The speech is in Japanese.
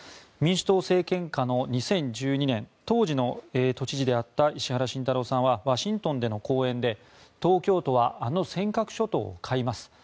民主党政権下の２０１２年当時の都知事であった石原慎太郎さんはワシントンでの講演で東京都はあの尖閣諸島を買います